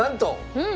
うん！